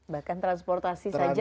bahkan transportasi saja